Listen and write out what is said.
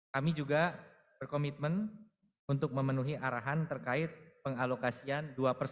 kami juga berkomitmen untuk memenuhi arahan terkait pengalokasian